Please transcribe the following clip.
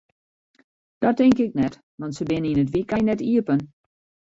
Dat tink ik net, want se binne yn it wykein net iepen.